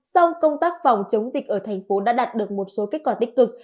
song công tác phòng chống dịch ở thành phố đã đạt được một số kết quả tích cực